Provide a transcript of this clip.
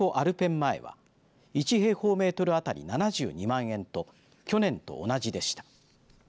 前は１平方メートル当たり７２万円と去年と同じでした。